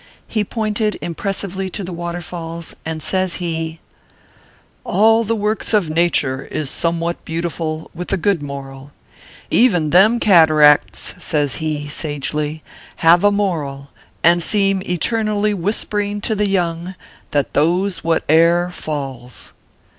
He pointed impressively to the waterfalls, and says he :" All the works of nature is somewhat beautiful, with a good moral. Even them cataracts/ says he, sagely, " have a moral, and seem eternally whisper ing to the young, that Those what err falls